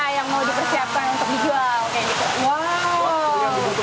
yang mau dipersiapkan untuk dijual